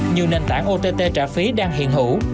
nhiều nền tảng ott trả phí đang hiện hữu